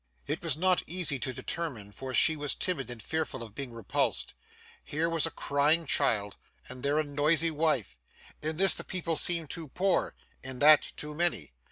It was not easy to determine, for she was timid and fearful of being repulsed. Here was a crying child, and there a noisy wife. In this, the people seemed too poor; in that, too many.